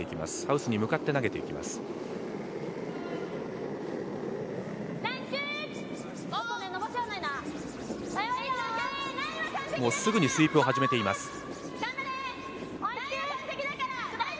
すぐにスイープを始めています。